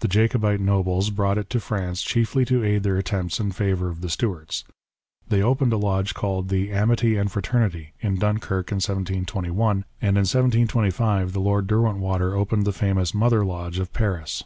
The Jacobite nobles brought it to France chiefly to aid their attempts in favour of the Stuarts. They opened a lodge called the " Amity and Fraternity," in Dunkirk, in 1721, and in 1725, the Lord Derwentwater opened the fmious Mother Lodge of Paris.